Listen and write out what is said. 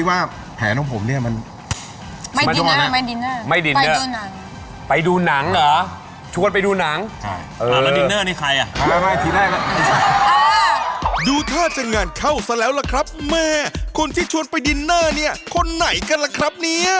อ่าเพราะว่าผมคิดว่าแผลของผมเนี่ยมัน